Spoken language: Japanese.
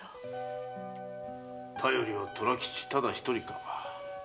頼りは虎吉ただ一人か。